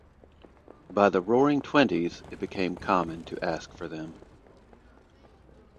By the Roaring Twenties, it became common to ask for them.